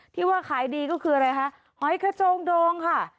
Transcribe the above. ที่ว่าขายดีก็คืออะไรคะหอยกระโจงโดงค่ะ